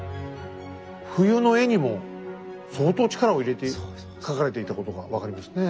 冬の絵にも相当力を入れて描かれていたことが分かりますね。